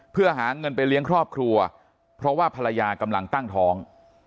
เพื่อหาเงินไปเลี้ยงครอบครัวเพราะว่าภรรยากำลังตั้งท้อง